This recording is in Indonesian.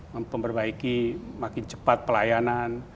memperbaiki makin cepat pelayanan